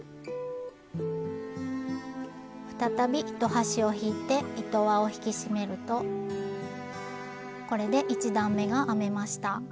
再び糸端を引いて糸輪を引き締めるとこれで１段めが編めました。